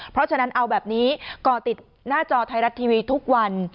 เพราะฉะนั้นเอาแบบนี้ก่อติดหน้าจอไทยรัฐทีวีทุกวัน